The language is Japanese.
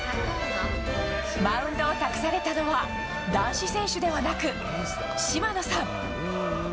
マウンドを託されたのは男子選手ではなく島野さん。